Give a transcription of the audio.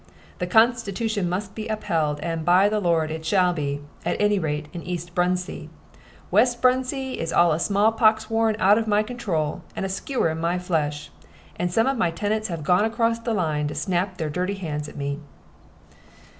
The constitution must be upheld, and, by the Lord! it shall be at any rate, in East Bruntsea. West Bruntsea is all a small pox warren out of my control, and a skewer in my flesh. And some of my tenants have gone across the line to snap their dirty hands at me."